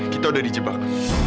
kita udah di jebak